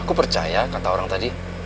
aku percaya kata orang tadi